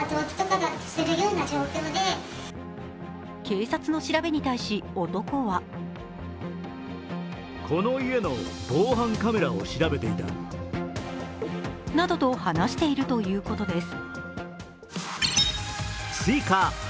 警察の調べに対し男はなどと話しているということです。